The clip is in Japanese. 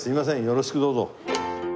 よろしくどうぞ。